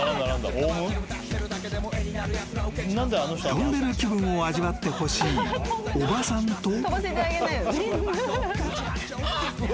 ［飛んでる気分を味わってほしいおばさんと］